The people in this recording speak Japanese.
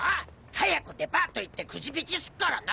早くデパート行ってクジ引きすっからな！